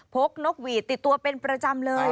นกหวีดติดตัวเป็นประจำเลย